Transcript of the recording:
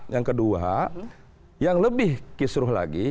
yang kedua yang lebih kisruh lagi